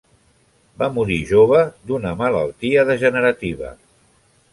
Va morir jove d'una malaltia degenerativa.